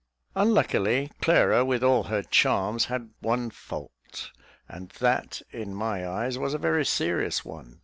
Unluckily, Clara, with all her charms, had one fault, and that, in my eyes, was a very serious one.